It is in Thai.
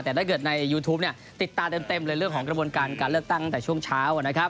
แต่ถ้าเกิดในยูทูปติดตาเต็มเลยเรื่องของกระบวนการการเลือกตั้งแต่ช่วงเช้านะครับ